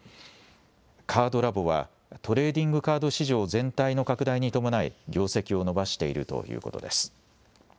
カードラボは、トレーディングカード市場全体の拡大に伴い、業績を伸ばしているということです。